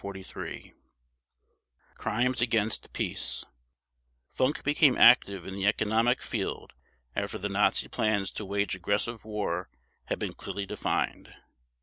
Crimes against Peace Funk became active in the economic field after the Nazi plans to wage aggressive war had been clearly defined.